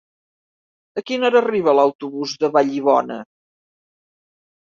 A quina hora arriba l'autobús de Vallibona?